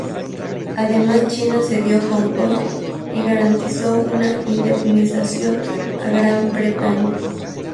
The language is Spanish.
Además China cedió Hong Kong y garantizó una indemnización a Gran Bretaña.